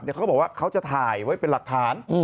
เขาก็บอกว่าเขาจะถ่ายไว้เป็นหลักฐาน